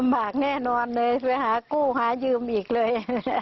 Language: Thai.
บากแน่นอนเลยไปหากู้หายืมอีกเลย